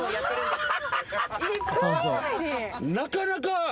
なかなか。